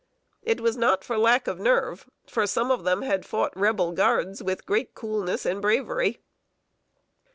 It was not from lack of nerve; for some of them had fought Rebel guards with great coolness and bravery.